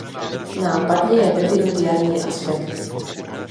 Nápadně je vyvinut jarní aspekt.